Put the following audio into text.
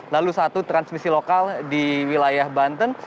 lalu satu transmisi lokal di wilayah banten